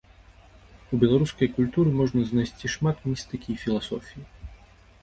У беларускай культуры можна знайсці шмат містыкі і філасофіі.